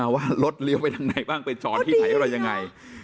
ว่ารถเลี้ยวไปทางไหนบ้างไปจอดที่ไหนอะไรยังไง